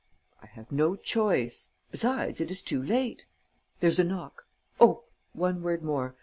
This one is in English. "I have no choice. Besides, it is too late. There's a knock. Oh, one word more!